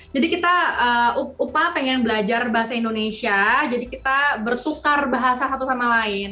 kita upah pengen belajar bahasa indonesia jadi kita bertukar bahasa satu sama lain